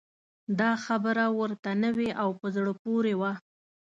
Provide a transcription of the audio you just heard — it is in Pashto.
دا خبره ورته نوې او په زړه پورې وه.